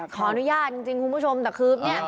ขออนุญาตจริงคุณผู้ชมแต่คือเนี่ย